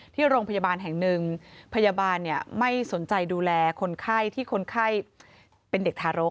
ที่โรงพยาบาลแห่งหนึ่งพยาบาลไม่สนใจดูแลคนไข้ที่คนไข้เป็นเด็กทารก